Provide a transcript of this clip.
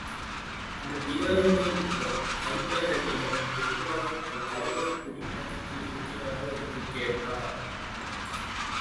அந்த வீரர்களில் ஒருவன் ஜபாரக்கிடம் மெதுவாக, உங்கள் தலைவர் குடி மயக்கத்தில் இருக்கிறாரோ? என்று கேட்டான்.